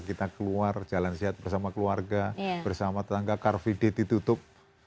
kita keluar jalan sehat bersama keluarga bersama tetangga car free day ditutup